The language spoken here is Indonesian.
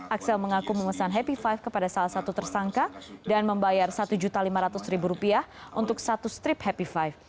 axel mengaku memesan happy five kepada salah satu tersangka dan membayar rp satu lima ratus untuk satu strip happy five